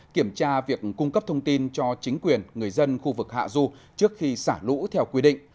kiểm tra việc cung cấp thông tin cho chính quyền người dân khu vực hạ du trước khi xả lũ theo quy định